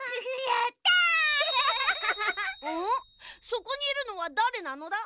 そこにいるのはだれなのだ？